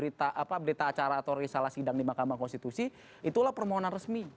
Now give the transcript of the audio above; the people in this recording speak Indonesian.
itu dicatat di dalam berita acara atau risalah sidang di mahkamah konstitusi itulah permohonan resmi